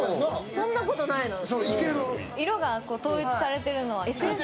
そんなことないのよ。